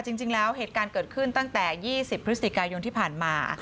จริงแล้วเหตุการณ์เกิดขึ้นตั้งแต่๒๐พฤศจิกายนที่ผ่านมา